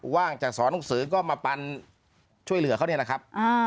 ว่างจากสอนหนังสือก็มาปันช่วยเหลือเขานี่แหละครับ